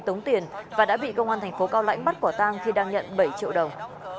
tống tiền và đã bị công an thành phố cao lãnh bắt quả tang khi đang nhận bảy triệu đồng